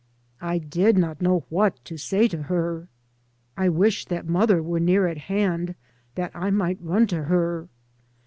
I did not know what to say to her. I wished that mother were near at hand that I might run to her.